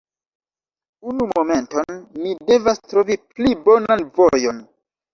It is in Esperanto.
Unu momenton, mi devas trovi pli bonan vojon